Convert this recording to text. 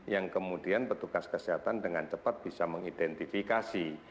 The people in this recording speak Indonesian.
yang kemudian petugas kesehatan dengan cepat bisa mengidentifikasi